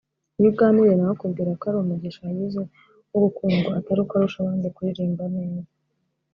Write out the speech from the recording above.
Iyo uganiriye na we akubwira ko ari umugisha yagize wo gukundwa atari uko arusha abandi kuririmba neza